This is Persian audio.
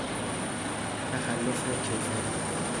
تخلف کیفری